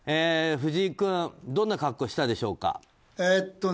藤井君どんな格好をしたでしょうか。